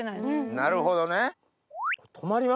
なるほどね。